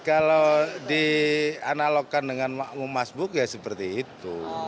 ya kalau dianalogkan dengan mak um mas buk ya seperti itu